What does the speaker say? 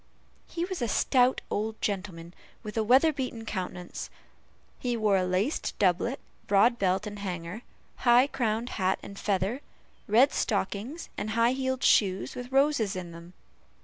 He was a stout old gentleman, with a weather beaten countenance; he wore a laced doublet, broad belt and hanger, high crowned hat and feather, red stockings, and high heeled shoes, with roses in them.